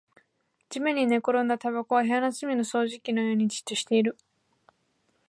地面に寝転んだタバコは部屋の隅の掃除機のようにじっとしている